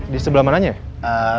di sebelah mananya ya